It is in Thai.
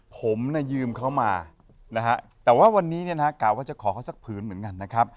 ผมเนี่ยยืมเขามานะฮะแต่ว่าวันนี้เนี่ยนะฮะกล่าวว่าจะขอเขาสักผืนเหมือนกันนะครับ